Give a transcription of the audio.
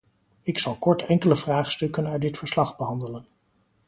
Ik zal kort enkele vraagstukken uit dit verslag behandelen.